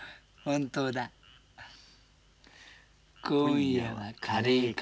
今夜はカレーか。